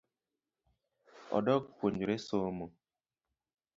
Odok puonjore somo